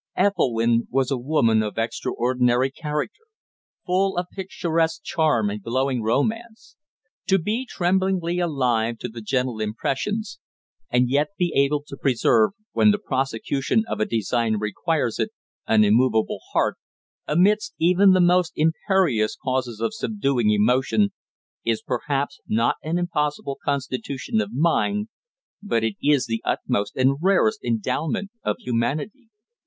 Ethelwynn was a woman of extraordinary character, full of picturesque charm and glowing romance. To be tremblingly alive to the gentle impressions, and yet be able to preserve, when the prosecution of a design requires it, an immovable heart, amidst even the most imperious causes of subduing emotion, is perhaps not an impossible constitution of mind, but it is the utmost and rarest endowment of humanity.